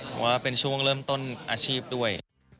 ผมว่าเป็นช่วงเริ่มต้นอาชีพด้วย